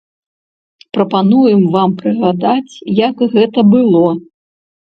Прапануем вам прыгадаць, як гэта было.